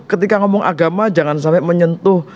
ketika ngomong agama jangan sampai menyentuh